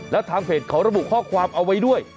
แล้วทางเพจเขาระบุข้อความเอาไว้ด้วย